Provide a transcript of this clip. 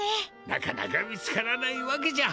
なかなか見つからないわけじゃ。